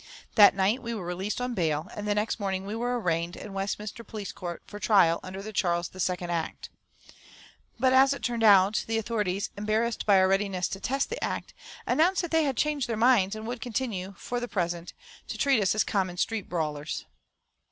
That night we were released on bail, and the next morning we were arraigned in Westminster police court for trial under the Charles II Act. But, as it turned out, the authorities, embarrassed by our readiness to test the act, announced that they had changed their minds, and would continue, for the present, to treat us as common street brawlers.